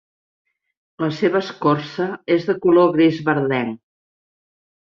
La seva escorça és de color gris verdenc.